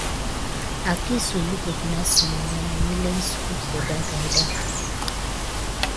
Akisuwək lukuɗɗe na sləma nilin suduho dagida.